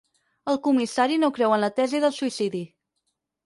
El comissari no creu en la tesi del suïcidi.